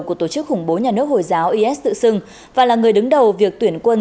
của tổ chức khủng bố nhà nước hồi giáo is tự xưng và là người đứng đầu việc tuyển quân